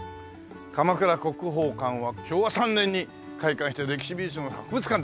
「鎌倉国宝館は昭和３年に開館した歴史・美術の博物館です」